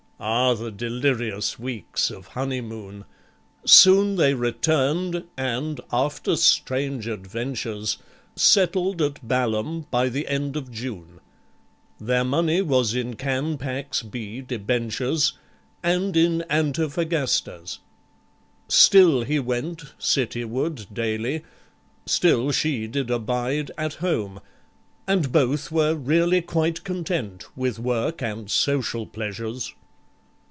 Ah, the delirious weeks of honeymoon! Soon they returned, and after strange adventures, Settled at Balham by the end of June, Their money was in Can. Pacs. B. Debentures, And in Antofagastas. Still he went Cityward daily; still she did abide At home. And both were really quite content With work and social pleasures.